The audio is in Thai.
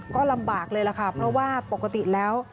ก็ลำบากเลยล่ะค่ะเพราะว่าปกติแล้ว